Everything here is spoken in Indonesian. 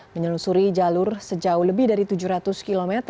menyelusuri jalur sejauh lebih dari tujuh ratus km